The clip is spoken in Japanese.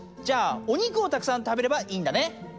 じゃあおにくをたくさん食べればいいんだね！